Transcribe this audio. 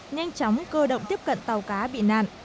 nhanh chóng cơ động tiếp cận tàu cá bị nạn